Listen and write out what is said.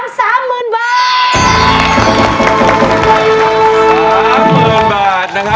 ๓๐๐๐๐บาทนะครับ